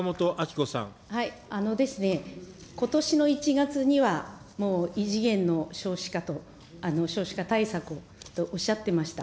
あのですね、ことしの１月には、もう異次元の少子化と、少子化対策とおっしゃってました。